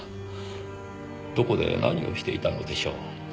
どこで何をしていたのでしょう？